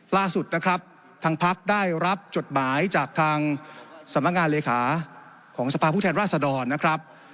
ล่าสุดนะครับทางพักได้รับจดหมายจากทางสำนักงานเลขาของสภาพผู้แทนราชดรนะครับ